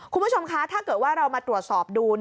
คุณผู้ชมคะถ้าเกิดว่าเรามาตรวจสอบดู